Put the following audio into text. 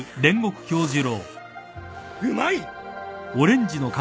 ・うまい！